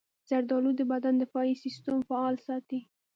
زردالو د بدن دفاعي سستم فعال ساتي.